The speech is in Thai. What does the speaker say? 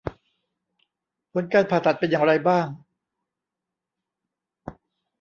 ผลการผ่าตัดเป็นอย่างไรบ้าง